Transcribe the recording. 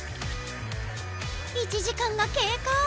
１時間が経過！